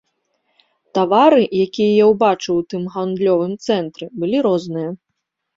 Тавары, якія я ўбачыў у тым гандлёвым цэнтры, былі розныя.